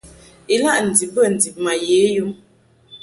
Ilaʼ ndib bə ndib ma ye yum.